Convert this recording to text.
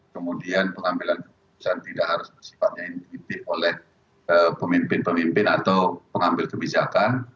kemudian pengambilan keputusan tidak harus bersifatnya intitif oleh pemimpin pemimpin atau pengambil kebijakan